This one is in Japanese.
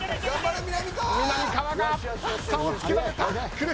みなみかわが差をつけられた。